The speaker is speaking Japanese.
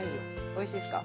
おいしいですか？